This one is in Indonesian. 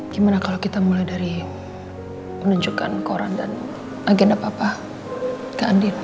gimana kalo kita mulai dari menunjukkan koran dan agenda papa ke andi mak